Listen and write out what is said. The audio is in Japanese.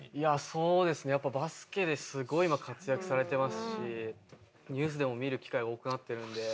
そうですねやっぱバスケですごい今活躍されてますしニュースでも見る機会多くなってるんで。